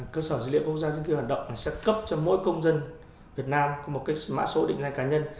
cơ sở dữ liệu công gia dân kia hoạt động sẽ cấp cho mỗi công dân việt nam một mã số định danh cá nhân